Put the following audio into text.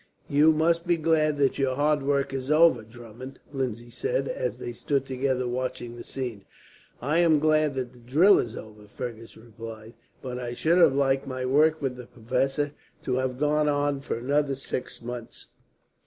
"You must be glad that your hard work is over, Drummond," Lindsay said, as they stood together watching the scene. "I am glad that the drill is over," Fergus replied, "but I should have liked my work with the professor to have gone on for another six months."